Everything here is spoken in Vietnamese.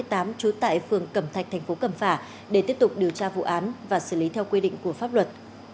trốn tại phường cẩm thạch tp cẩm phả để tiếp tục điều tra vụ án và xử lý theo quy định của pháp luật